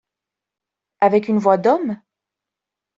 Avec une voix d’homme ?